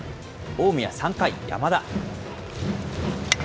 近江は３回、山田。